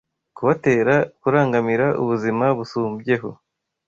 kubatera kurangamira ubuzima busumbyeho.